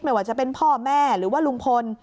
ไม่ว่าจะเป็นพ่อแม่หรือว่าลุงพล